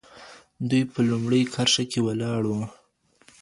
دوی په لومړۍ کرښه کي ولاړ وو.